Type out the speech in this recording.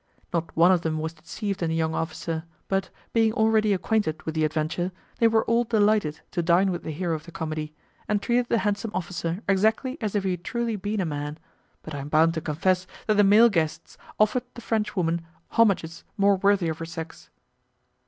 Not one of them was deceived in the young officer, but, being already acquainted with the adventure, they were all delighted to dine with the hero of the comedy, and treated the handsome officer exactly as if he had truly been a man, but I am bound to confess that the male guests offered the Frenchwoman homages more worthy of her sex.